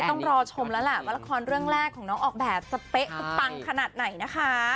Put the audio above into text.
ต้องรอชมแล้วแหละว่าละครเรื่องแรกของน้องออกแบบจะเป๊ะจะปังขนาดไหนนะคะ